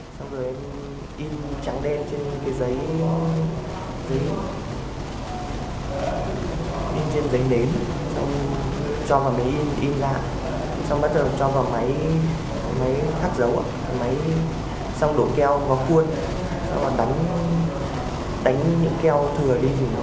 xong rồi em in trắng đen trên cái giấy nến xong cho vào máy in in lại xong bắt đầu cho vào máy thắt dấu xong đổ keo vào cuôn xong đánh những keo thừa đi thì nó thành được